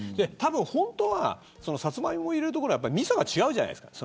ほんとはサツマイモを入れる所はみそが違うじゃないですか。